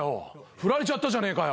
フラれちゃったじゃねぇかよ。